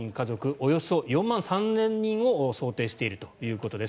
およそ４万３０００人を想定しているということです。